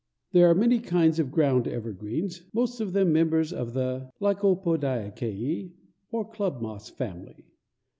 There are many kinds of ground evergreens, most of them members of the Lycopodiaceæ, or club moss family.